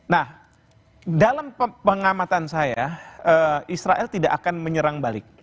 nah dalam pengamatan saya israel tidak akan menyerang balik